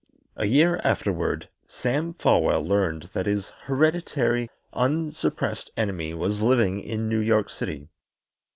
A year afterward Sam Folwell learned that his hereditary, unsuppressed enemy was living in New York City.